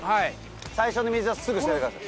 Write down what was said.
最初の水はすぐ捨ててください。